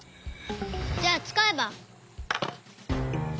じゃあつかえば。